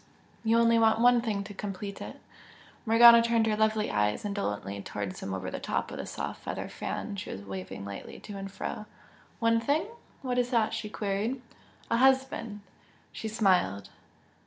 You only want one thing to complete it!" Morgana turned her lovely eyes indolently towards him over the top of the soft feather fan she was waving lightly to and fro. "One thing? What is that?" she queried. "A husband!" She smiled.